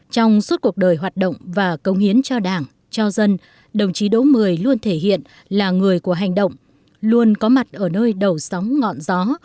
trong suốt cuộc đời hoạt động và công hiến cho đảng cho dân đồng chí đỗ mười luôn thể hiện là người của hành động luôn có mặt ở nơi đầu sóng ngọn gió